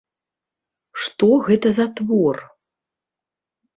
Што гэта за твор?